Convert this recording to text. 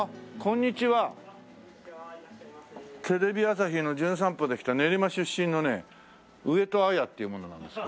テレビ朝日の『じゅん散歩』で来た練馬出身のね上戸彩っていう者なんですが。